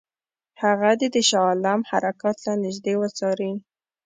هغه دې د شاه عالم حرکات له نیژدې وڅاري.